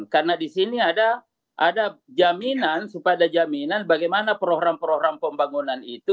karena di sini ada jaminan supaya ada jaminan bagaimana program program pembangunan itu